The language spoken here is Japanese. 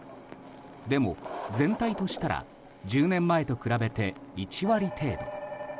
でも全体としたら１０年前と比べて１割程度。